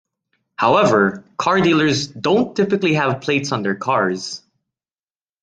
However, car dealers don't typically have plates on their cars.